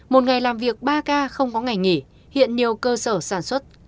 một ngày làm việc ba k không có ngày nghỉ hiện nhiều cơ sở sản xuất